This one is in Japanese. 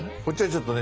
ちょっとね